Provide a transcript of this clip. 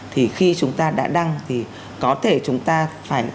thì khi chúng ta đã đăng thì có thể chúng ta phải